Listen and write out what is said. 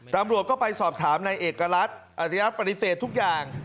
ตำรวจก็ไปสอบถามนายเอกรัฐอธิรัฐปฏิเสธทุกอย่าง